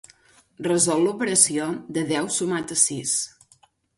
Resol l'operació de deu sumat a sis.